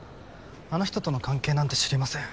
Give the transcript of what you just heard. あの人との関係なんて知りません。